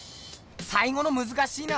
さいごのむずかしいな！